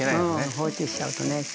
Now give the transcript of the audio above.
放置しちゃうとね。